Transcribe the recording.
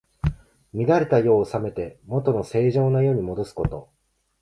乱れた世を治めて、もとの正常な世にもどすこと。